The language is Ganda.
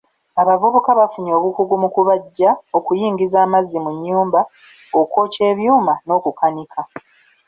Abavubuka bafunye obukugu mu kubajja, okuyingiza amazzi mu nnyumba, okwokya ebyuma n'okukanika.